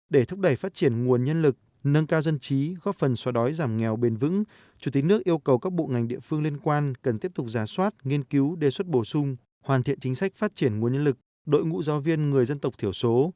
để thúc đẩy phát triển nguồn nhân lực nâng cao dân trí góp phần xóa đói giảm nghèo bền vững chủ tịch nước yêu cầu các bộ ngành địa phương liên quan cần tiếp tục giả soát nghiên cứu đề xuất bổ sung hoàn thiện chính sách phát triển nguồn nhân lực đội ngũ giáo viên người dân tộc thiểu số